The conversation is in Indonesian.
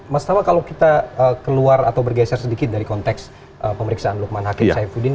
mas tama kalau kita keluar atau bergeser sedikit dari konteks pemeriksaan lukman hakim saifuddin